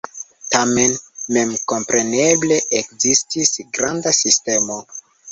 Tamen memkompreneble ekzistis granda sistemo.